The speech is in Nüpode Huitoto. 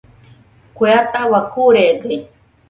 Kue ataua kurede.